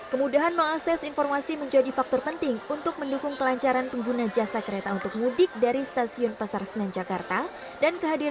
kemudahan mengakses informasi menjadi faktor penting untuk mendukung kelancaran pengguna jasa kereta untuk mudik dari stasiun pasar senen jakarta